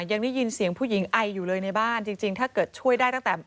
ยังได้ยินเสียงผู้หญิงไออยู่เลยในบ้านจริงจริงถ้าเกิดช่วยได้ตั้งแต่